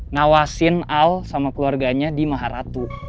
nawasin al sama keluarganya di maharatu